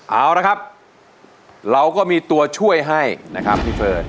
เอาละครับเราก็มีตัวช่วยให้นะครับพี่เฟิร์น